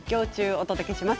お届けします。